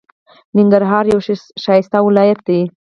ننګرهار یو ښایسته ولایت دی.